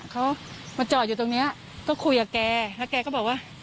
เขามาจอดอยู่ตรงนี้ก็คุยกับแกแล้วแกก็บอกว่า